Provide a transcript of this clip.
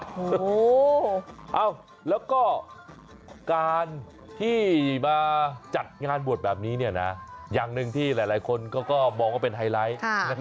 โอ้โหแล้วก็การที่มาจัดงานบวชแบบนี้อย่างหนึ่งที่หลายคนก็มองว่าเป็นไฮไลท์